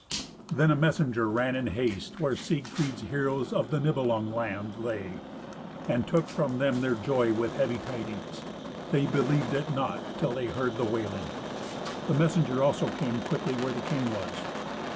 Then a messenger ran in haste where Siegfried's heroes of the Nibelung land lay, and took from them their joy with heavy tidings. They believed it not, till they heard the wailing. The messenger also came quickly where the king was.